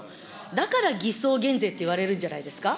だから偽装減税っていわれるんじゃないですか。